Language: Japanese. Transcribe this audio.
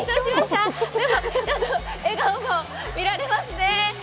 でも笑顔も見られますね。